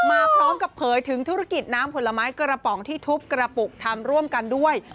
มาพร้อมกับเผยถึงธุรกิจน้ำผลไม้กระป๋องที่ทุบกระปุกทำร่วมกันด้วย